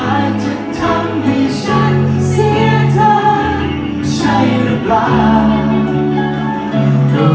อาจจะทำให้ฉันเสียเธอใช่หรือเปล่า